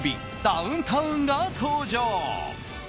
ダウンタウンが登場。